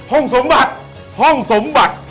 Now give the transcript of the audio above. ห้องสมบัติห้องสมบัติ